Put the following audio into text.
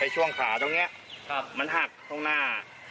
ช่วงขาตรงนี้มันหักตรงหน้า